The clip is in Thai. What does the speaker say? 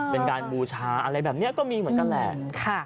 เป็นการบูชาอะไรแบบนี้ก็มีเหมือนกันแหละ